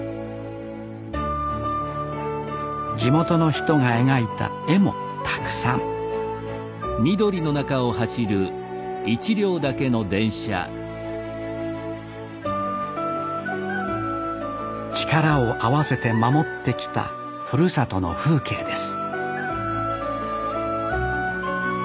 地元の人が描いた絵もたくさん力を合わせて守ってきたふるさとの風景です